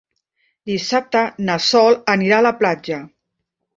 Dissabte na Sol anirà a la platja.